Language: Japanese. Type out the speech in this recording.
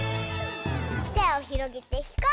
てをひろげてひこうき！